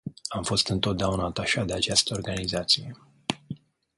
Am fost întotdeauna atașat de această organizație.